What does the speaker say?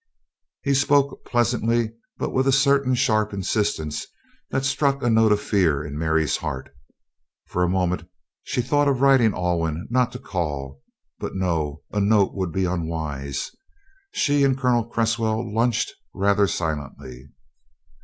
He spoke pleasantly, but with a certain sharp insistence that struck a note of fear in Mary's heart. For a moment she thought of writing Alwyn not to call. But, no; a note would be unwise. She and Colonel Cresswell lunched rather silently.